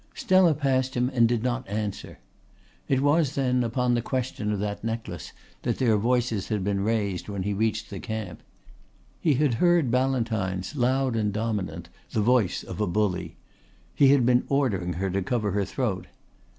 Stella passed him and did not answer. It was, then, upon the question of that necklace that their voices had been raised when he reached the camp. He had heard Ballantyne's, loud and dominant, the voice of a bully. He had been ordering her to cover her throat.